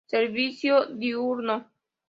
Servicio diurno.